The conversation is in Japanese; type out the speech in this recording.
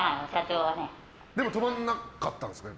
でも止まらなかったんですね。